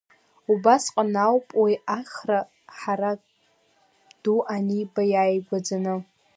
Убасҟан ауп уи ахра ҳарак ду аниба, иааигәаӡаны.